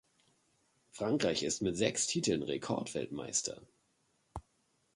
Frankreich ist mit sechs Titeln Rekordweltmeister.